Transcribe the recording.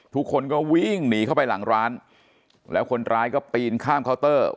ทุกคนก็วิ่งหนีเข้าไปหลังร้านแล้วคนร้ายก็ปีนข้ามเคาน์เตอร์